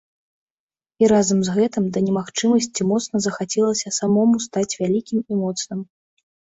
І разам з гэтым да немагчымасці моцна захацелася самому стаць вялікім і моцным.